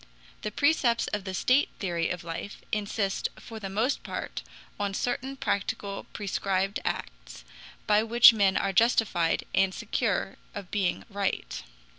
The precepts of the state theory of life insist for the most part on certain practical prescribed acts, by which men are justified and secure of being right.